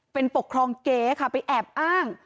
เป็นปกครองเก๋ค่ะไปแอบอ้าง